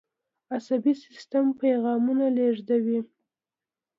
عصبي سیستم پیغامونه لیږدوي